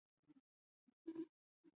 采收时间因品种和种植地点而异。